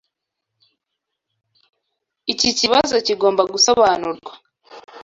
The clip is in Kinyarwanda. Iki kibazo kigomba gusobanurwa.